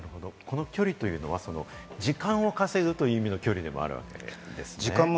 距離というのは時間を稼ぐという意味の距離でもあるわけですね。